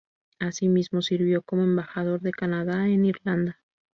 Asimismo, sirvió como embajador de Canadá en Irlanda.